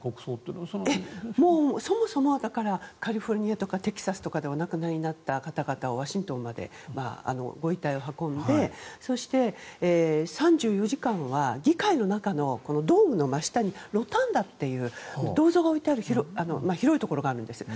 そもそも、だからカリフォルニアとかテキサスでお亡くなりになった方をワシントンまでご遺体を運んで３４時間は議会の中のドームの真下にロタンダという銅像が置いてある広いところがあるんですよ。